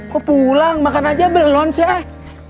kok pulang makan aja belon seh